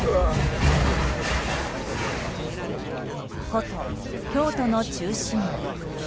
古都・京都の中心部。